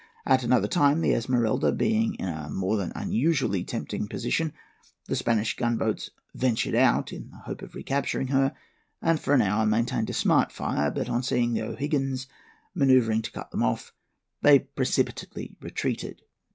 At another time, the Esmeralda being in a more than usually tempting position, the Spanish gunboats ventured out in the hope of recapturing her, and for an hour maintained a smart fire; but on seeing the O'Higgins manoeuvring to cut them off, they precipitately retreated."